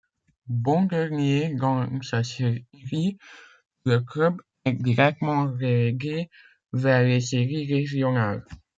Bon dernier dans sa série, le club est directement relégué vers les séries régionales.